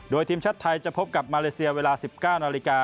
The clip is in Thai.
โดยทีมชัดไทยจะพบกับมาเลเซียเวลา๑๙น